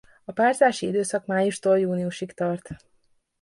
A párzási időszak májustól júniusig tart.